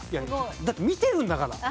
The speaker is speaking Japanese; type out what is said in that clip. だって見てるんだから。